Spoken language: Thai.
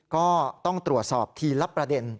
ก็ต้องตรวจสอบทีละประเด็น